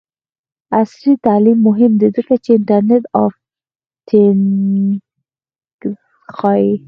عصري تعلیم مهم دی ځکه چې د انټرنټ آف تینګز ښيي.